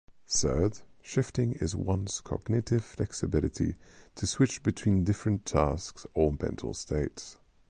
Third, shifting is one's cognitive flexibility to switch between different tasks or mental states.